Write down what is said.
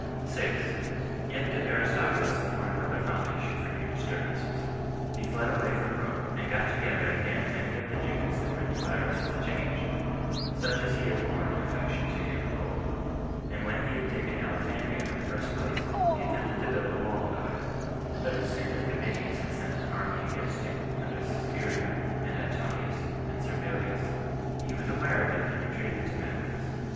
6. Yet did Aristobulus afford another foundation for new disturbances. He fled away from Rome, and got together again many of the Jews that were desirous of a change, such as had borne an affection to him of old; and when he had taken Alexandrium in the first place, he attempted to build a wall about it; but as soon as Gabinius had sent an army against him under Siscuria, and Antonius, and Servilius, he was aware of it, and retreated to Machaerus.